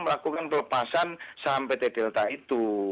melakukan pelepasan saham pt delta itu